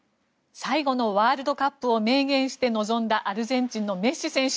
最後のワールドカップを明言して臨んだアルゼンチンのメッシ選手。